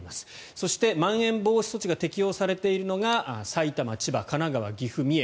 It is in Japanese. そして、まん延防止措置が適用されているのが埼玉、千葉、神奈川岐阜、三重。